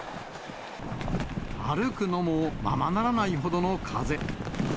歩くのもままならないほどの風。